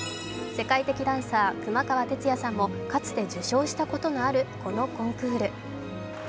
世界的ダンサー・熊川哲也さんもかつて受賞したことがあるこのコンクール。